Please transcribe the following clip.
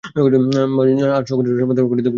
বাড়ির আর সকলে আহারাদি সমাধা করিয়া ঘুমাইতে গিয়াছে।